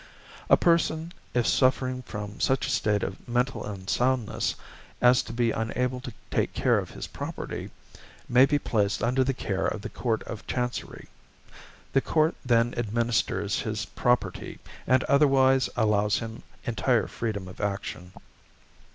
A person, if suffering from such a state of mental unsoundness as to be unable to take care of his property, may be placed under the care of the Court of Chancery. The Court then administers his property, and otherwise allows him entire freedom of action.